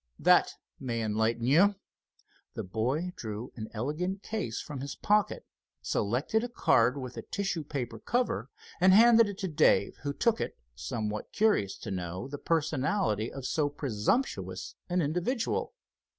That may enlighten you." The boy drew an elegant case from his pocket, selected a card with a tissue paper cover, and handed it to Dave, who took it, somewhat curious to know the personality of so presumptuous an individual.